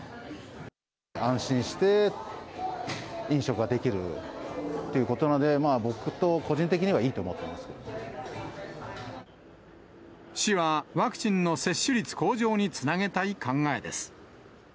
安心して飲食ができるということなので、市は、ワクチンの接種率向上につなげたい考えです。